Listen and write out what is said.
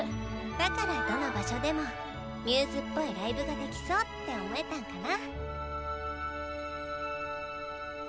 だからどの場所でもμ’ｓっぽいライブができそうって思えたんかな？